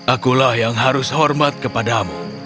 akulah yang harus hormat kepadamu